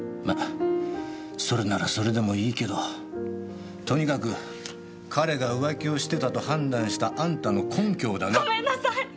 まそれならそれでもいいけどとにかく彼が浮気してたと判断したあんたの根拠をだな。